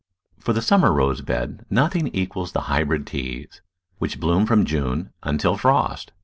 For the summer rose bed nothing equals the Hy brid Teas, which bloom from June until frost.